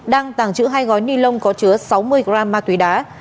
đang tàng trữ hai gói ni lông có chứa sáu mươi gram ma túy đá